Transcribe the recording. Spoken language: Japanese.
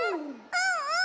うんうん。